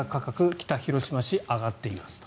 北広島市、上がっていますと。